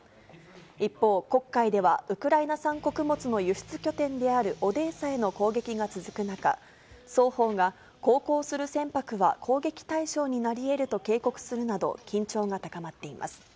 一方、黒海ではウクライナ産穀物の輸出拠点であるオデーサへの攻撃が続く中、双方が航行する船舶は、攻撃対象になりえると警告するなど、緊張が高まっています。